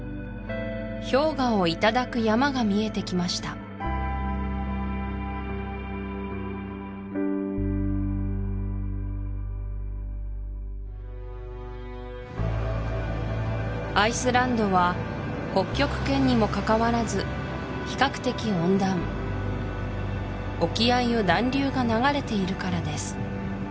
氷河を頂く山が見えてきましたアイスランドは北極圏にもかかわらず比較的温暖沖合を暖流が流れているからです